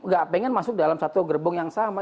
gak pengen masuk dalam satu gerbong yang sama